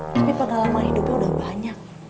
tapi pengalaman hidupnya udah banyak